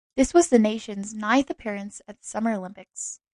This was the nation's ninth appearance at the Summer Olympics.